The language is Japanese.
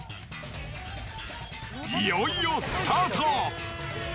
いよいよスタート。